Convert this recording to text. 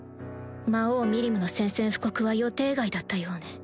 魔王ミリムの宣戦布告は予定外だったようね